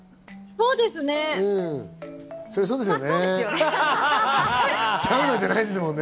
そうですね。